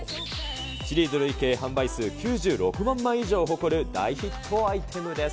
シリーズ累計販売数９６万枚以上を誇る大ヒットアイテムです。